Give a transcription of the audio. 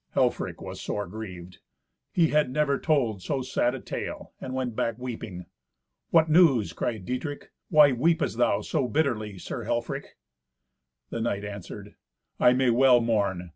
Helfrich was sore grieved. He had never told so sad a tale, and went back weeping. "What news?" cried Dietrich. "Why weepest thou so bitterly, Sir Helfrich?" The knight answered, "I may well mourn.